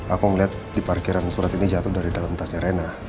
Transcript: aku melihat di parkiran surat ini jatuh dari dalam tasnya rena